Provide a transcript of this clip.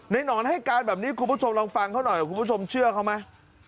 หนอนให้การแบบนี้คุณผู้ชมลองฟังเขาหน่อยคุณผู้ชมเชื่อเขาไหม